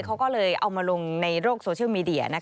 เขาก็เลยเอามาลงในโลกโซเชียลมีเดีย